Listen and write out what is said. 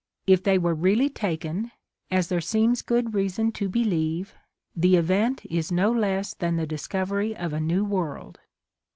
If they were really taken, as there seems good reason to believe, the event is no less than the dis covery of a new world.